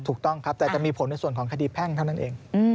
ถูกต้องครับแต่จะมีผลในส่วนของคดีแพ่งเท่านั้นเอง